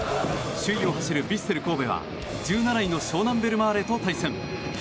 首位を走るヴィッセル神戸が１７位の湘南ベルマーレと対戦。